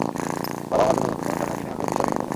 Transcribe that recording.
বাবা আমার জন্য নতুন কোনো খেলনা কিনে আনলেই যিশা ভেঙে ফেলে।